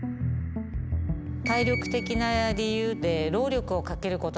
体力的な理由で労力をかけることが難しい。